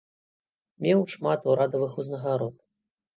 Меў шмат урадавых узнагарод.